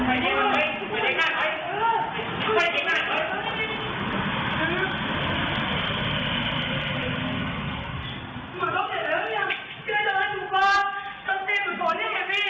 ไอ้ไอ้ไอ้ไอ้